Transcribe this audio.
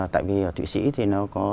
tại vì ở thụy sĩ thì nó có